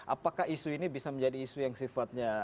apakah isu ini bisa menjadi isu yang sifatnya